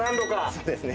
そうですね。